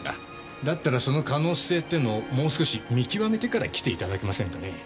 だったらその可能性ってのをもう少し見極めてから来ていただけませんかね。